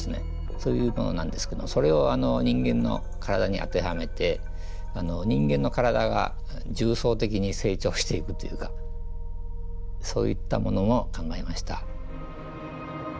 そういうものなんですけどもそれを人間の体に当てはめて人間の体が重層的に成長していくというかそういったものを考えました。